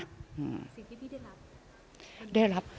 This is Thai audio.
สิ่งที่พี่ได้รับ